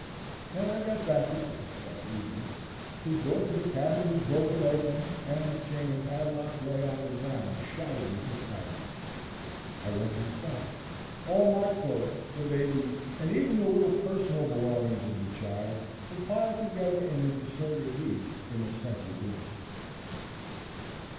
When I got back at dusk that evening, the door to the cabin was broken open, and the chain and padlock lay on the ground shattered into fragments. I went inside. All my clothes, the baby's and even the little personal belongings of the child were piled together in a disordered heap in the center room.